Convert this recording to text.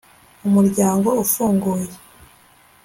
umuryango ufunguye